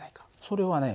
それはね